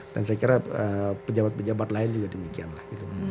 dan saya kira pejabat pejabat lain juga demikian lah